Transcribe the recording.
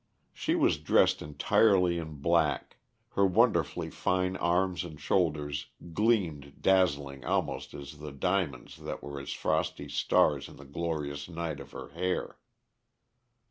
She was dressed entirely in black, her wonderfully fine arms and shoulders gleamed dazzling almost as the diamonds that were as frosty stars in the glorious night of her hair.